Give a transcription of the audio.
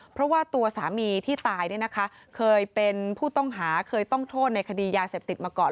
เพราะว่าตัวสามีที่ตายเนี่ยนะคะเคยเป็นผู้ต้องหาเคยต้องโทษในคดียาเสพติดมาก่อน